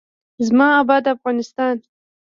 زما اباد افغانستان.